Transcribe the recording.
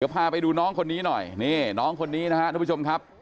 พาไปดูน้องคนนี้หน่อยนี่น้องคนนี้นะครับทุกผู้ชมครับ